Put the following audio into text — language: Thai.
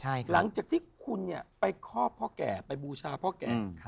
หลังจากที่คุณเนี่ยไปครอบพ่อแก่ไปบูชาพ่อแก่